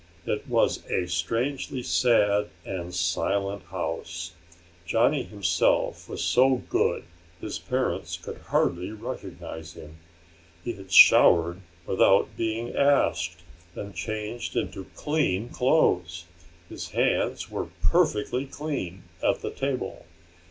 It was a strangely sad and silent house. Johnny himself was so good his parents could hardly recognize him. He had showered without being asked and changed into clean clothes. His hands were perfectly clean at the table.